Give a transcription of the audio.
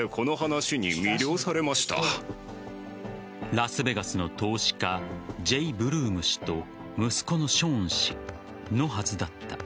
ラスベガスの投資家ジェイ・ブルーム氏と息子のショーン氏のはずだった。